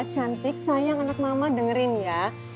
cantik sayang anak mama dengerin ya